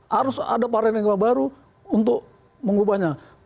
harus ada para renegawa baru untuk mengubahnya